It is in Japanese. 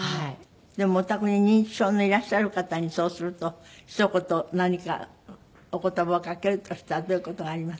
でもお宅に認知症のいらっしゃる方にそうするとひと言何かお言葉をかけるとしたらどういう事があります？